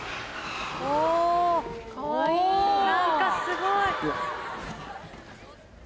おぉ何かすごい。